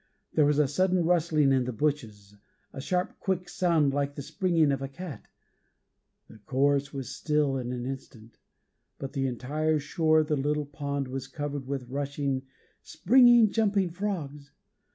There was a sudden rustling in the bushes, a sharp, quick sound like the springing of a cat. The chorus was still in an instant, but the entire shore of the little pond was covered with rushing, springing, jumping frogs.